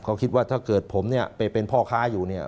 เขาคิดว่าถ้าเกิดผมเนี่ยไปเป็นพ่อค้าอยู่เนี่ย